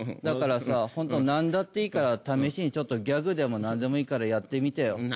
だからさホントなんだっていいから試しにちょっとギャグでもなんでもいいからやってみてよ。